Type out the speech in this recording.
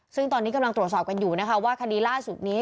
ซึ่งตอนนี้กำลังตรวจสอบกันอยู่นะคะว่าคดีล่าสุดนี้